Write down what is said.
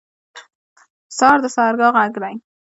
سهار د سحرګاه غږ دی.